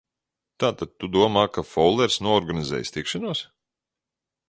Tātad tu domā, ka Foulers noorganizējis tikšanos?